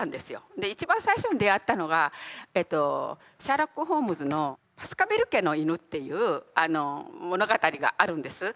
で一番最初に出会ったのがシャーロック・ホームズの「バスカヴィル家の犬」っていう物語があるんです。